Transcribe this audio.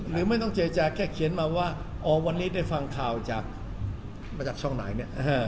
ไม่ต้องเจรจาแค่เขียนมาว่าอ๋อวันนี้ได้ฟังข่าวจากมาจากช่องไหนเนี่ย